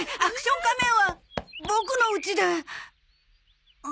『アクション仮面』はボクのうちで。